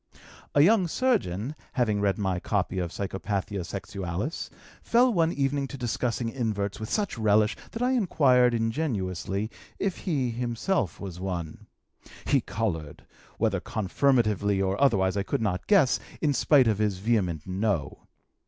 "A young surgeon, having read my copy of Psychopathia Sexualis, fell one evening to discussing inverts with such relish that I inquired ingenuously if he himself was one. He colored, whether confirmatively or otherwise I could not guess, in spite of his vehement no.